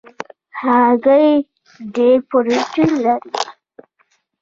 هګۍ ډېره پروټین لري.